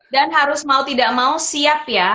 dan harus mau tidak mau siap ya